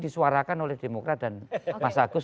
disuarakan oleh demokrat dan mas agus